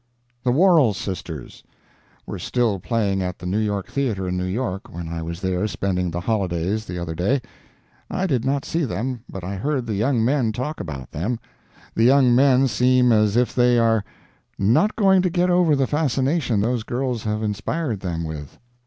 The Worrell Sisters Were still playing at the New York Theatre in New York when I was there spending the holidays the other day. I did not see them, but I heard the young men talk about them—the young men seem as if they are not going to get over the fascination those girls have inspired them with.